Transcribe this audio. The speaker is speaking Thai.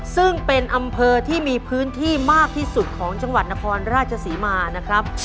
ซึ่งเป็นอำเภอที่มีพื้นที่มากที่สุดของจังหวัดนครราชศรีมานะครับ